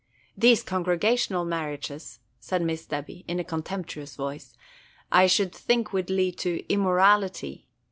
These Congregational marriages," said Miss Debby, in a contemptuous voice, "I should think would lead to immorality.